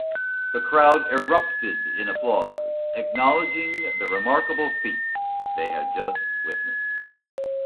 The crowd erupted in applause, acknowledging the remarkable feat they had just witnessed.